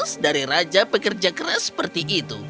tapi engkau tidak setuju dengan hal itu